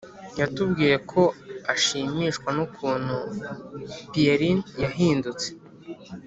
yatubwiye ko ashimishwa n’ukuntu pierrine yahindutse,